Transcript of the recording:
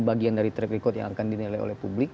bagian dari track record yang akan dinilai oleh publik